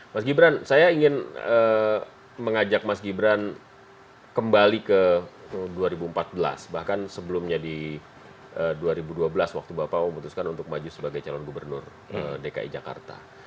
mas gibran saya ingin mengajak mas gibran kembali ke dua ribu empat belas bahkan sebelumnya di dua ribu dua belas waktu bapak memutuskan untuk maju sebagai calon gubernur dki jakarta